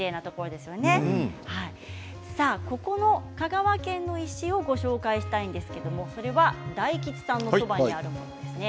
ここの香川県の石をご紹介したいんですけれども大吉さんのそばにあるんですね。